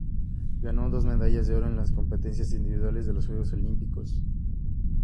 Ganó dos medallas de oro en la competencia individual de los Juegos Olímpicos.